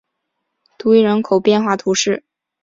杜伊人口变化图示